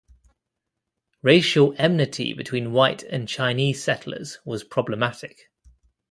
Racial enmity between white and Chinese settlers was problematic.